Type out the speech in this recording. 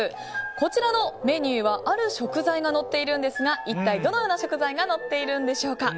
こちらのメニューはある食材がのっているんですが一体どのような食材がのっているんでしょうか。